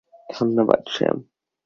ধন্যবাদ, স্যাম।